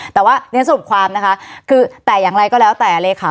แต่ว่าเรียนสรุปความนะคะคือแต่อย่างไรก็แล้วแต่เลขา